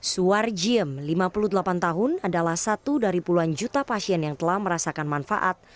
suwar jiem lima puluh delapan tahun adalah satu dari puluhan juta pasien yang telah merasakan manfaat